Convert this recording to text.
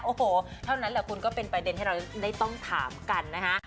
โอ้โหเท่านั้นแหละคุณก็เป็นประเด็นที่เราได้ต้องถามกันนะคะ